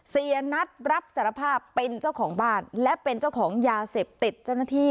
เสียนัทรับสารภาพเป็นเจ้าของบ้านและเป็นเจ้าของยาเสพติดเจ้าหน้าที่